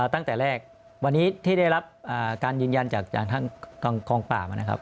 ตั้งแต่แรกวันนี้ที่ได้รับการยืนยันจากทางกองปราบนะครับ